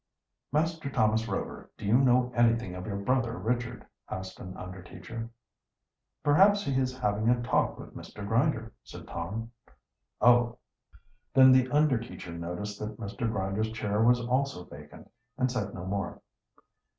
"Master Thomas Rover, do you know anything of your brother Richard?" asked an under teacher. "Perhaps he is having a talk with Mr. Grinder," said Tom. "Oh!" Then the under teacher noticed that Mr. Grinder's chair was also vacant, and said no more.